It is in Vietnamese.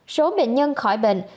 số bệnh nhân khỏi bệnh